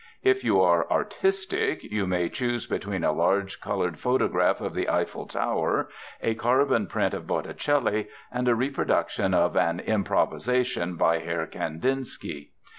If you are 'artistic,' you may choose between a large coloured photograph of the Eiffel Tower, a carbon print of Botticelli, and a reproduction of an 'improvisation' by Herr Kandinsky.